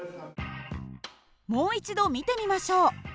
もう一度見てみましょう。